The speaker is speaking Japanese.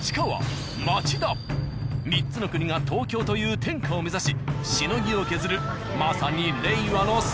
３つの国が東京という天下を目指ししのぎを削るまさに。